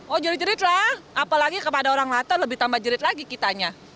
oh jerit jerit lah apalagi kepada orang lato lebih tambah jerit lagi kitanya